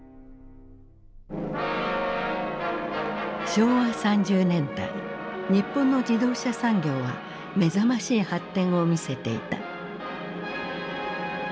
昭和３０年代日本の自動車産業は目覚ましい発展を見せていた。